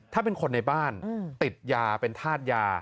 ถ้าเป็นคนในบ้านติดยาเป็นธาตุยา